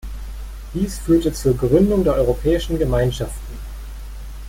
Dies führte zur Gründung der Europäischen Gemeinschaften.